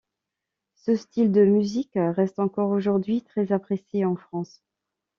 Ce style de musique reste encore aujourd'hui très apprécié en France.